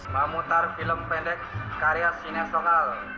memutar film pendek karya sinis lokal